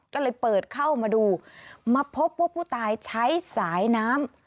ก็เลยเปิดเข้ามาดูมาพบว่าผู้ตายใช้สายน้ำ